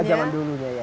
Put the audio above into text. pada zaman dulunya ya